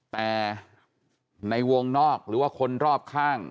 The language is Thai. แต่ในวงนอกหรือว่าคนรอบข้าง